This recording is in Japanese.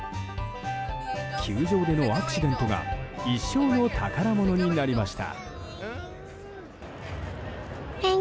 球場でのアクシデントが一生の宝物になりました。